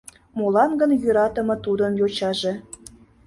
Молан гын йӧратыме тудын йочаже